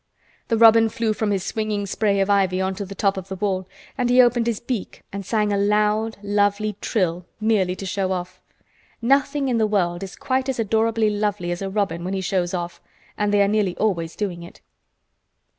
The robin flew from his swinging spray of ivy on to the top of the wall and he opened his beak and sang a loud, lovely trill, merely to show off. Nothing in the world is quite as adorably lovely as a robin when he shows off—and they are nearly always doing it.